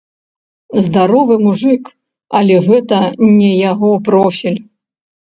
Здаровы мужык, але гэта не яго профіль!